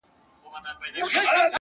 دوی مو د کلي د ډیوې اثر په کاڼو ولي!!